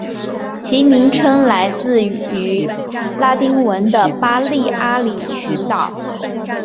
其名称来自于拉丁文的巴利阿里群岛。